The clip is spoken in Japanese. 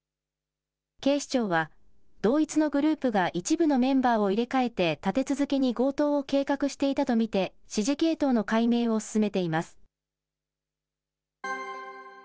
警視庁は、同一のグループが一部のメンバーを入れ替えて、立て続けに強盗を計画していたと見て、指示系統の解明を進めています。